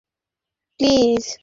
আমার জন্য নাচবে, প্লিজ?